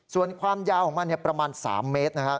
ส่วนความยาวของมันประมาณ๓เมตรนะครับ